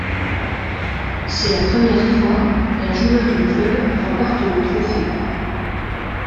C'est la première fois qu'un joueur du club remporte le trophée.